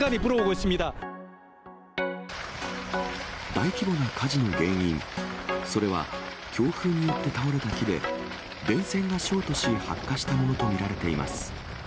大規模な火事の原因、それは、強風によって倒れた木で、電線がショートし発火したものと見られています。